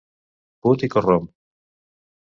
Put i corromp!